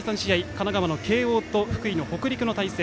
神奈川の慶応と福井の北陸の対戦。